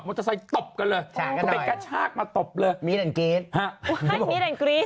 นะฮะคุณป้าคนแรกบอกว่าตอนแรกเขาบอกว่าเขาไม่เคยรู้จักกันมาก่อน